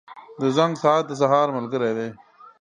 • د زنګ ساعت د سهار ملګری دی.